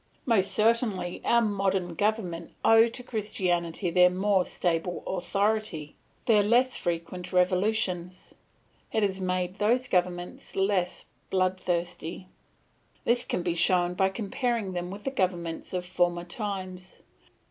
Most certainly our modern governments owe to Christianity their more stable authority, their less frequent revolutions; it has made those governments less bloodthirsty; this can be shown by comparing them with the governments of former times.